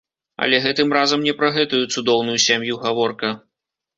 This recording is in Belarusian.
Але гэтым разам не пра гэтую цудоўную сям'ю гаворка.